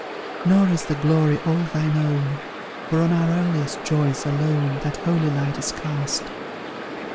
Nor is the glory all thine own, For on our earliest joys alone That holy light is cast.